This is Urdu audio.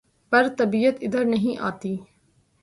پر طبیعت ادھر نہیں آتی